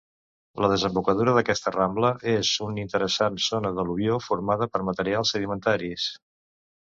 La desembocadura d'aquesta rambla és una interessant zona d'al·luvió formada per materials sedimentaris.